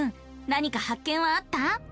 なにか発見はあった？